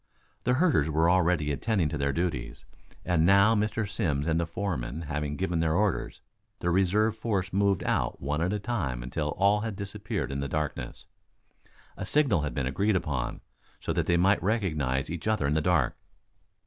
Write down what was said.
The herders were already attending to their duties. And now Mr. Simms and the foreman having given their orders, the reserve force moved out one at a time until all had disappeared in the darkness. A signal had been agreed upon, so that they might recognize each other in the dark.